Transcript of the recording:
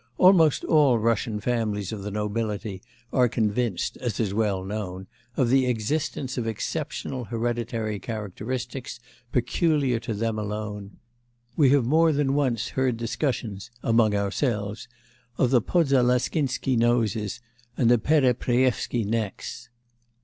Almost all Russian families of the nobility are convinced, as is well known, of the existence of exceptional hereditary characteristics, peculiar to them alone; we have more than once heard discussions 'among ourselves' of the Podsalaskinsky 'noses,' and the 'Perepreyevsky' necks.